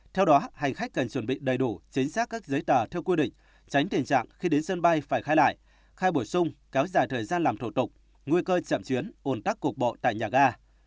theo đó hành khách cần chuẩn bị đầy đủ chính xác các giấy tờ theo quy định tránh tình trạng khi đến sân bay phải khai lại khai bổ sung kéo dài thời gian làm thủ tục nguy cơ chậm chuyến ồn tắc cuộc bộ tại nhà ga